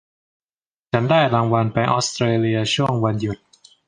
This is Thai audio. ฉันได้รางวัลไปออสเตรเลียช่วงวันหยุด